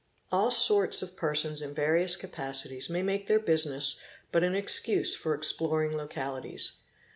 All sorts of persons in various capacities may make their business but an excuse for exploring !| localities.